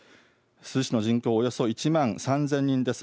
珠洲市の人口およそ１万３０００人です。